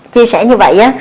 chia sẻ như vậy á